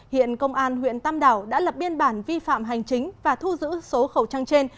hiện công an huyện tam đảo đã lập biên bản vi phạm hành chính và thu giữ số khẩu trang trên